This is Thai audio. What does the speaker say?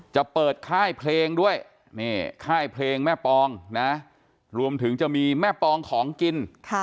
จะเปิดค่ายเพลงด้วยนี่ค่ายเพลงแม่ปองนะรวมถึงจะมีแม่ปองของกิน